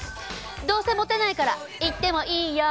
どうせモテないから行ってもいいよ！